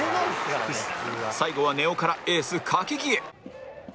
最後は根尾からエース柿木へ